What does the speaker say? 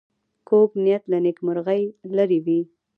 کوږ نیت له نېکمرغۍ لرې وي